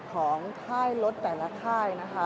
ของค่ายรถแต่ละค่ายนะคะ